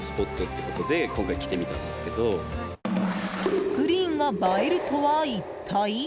スクリーンが映えるとは一体？